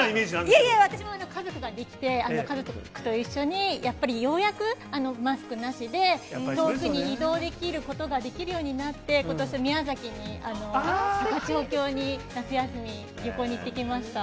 いえいえ、私も家族が出来て、家族と一緒にやっぱりようやく、マスクなしで遠くに移動できることができるようになって、ことし、宮崎に、高千穂峡に夏休み、旅行に行ってきました。